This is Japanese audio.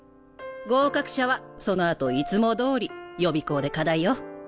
合格者はそのあといつもどおり予備校で課題よ。